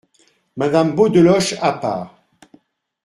Madame Beaudeloche , à part.